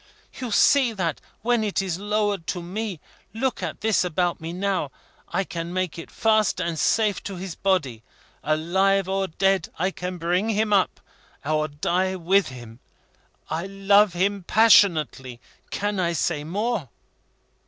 You see that when it is lowered to me look at this about me now I can make it fast and safe to his body. Alive or dead, I will bring him up, or die with him. I love him passionately. Can I say more?"